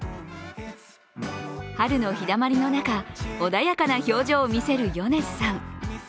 春の日だまりの中穏やかな表情を見せる米津さん。